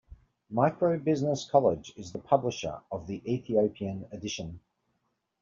Micro Business College is the publisher of the Ethiopian edition.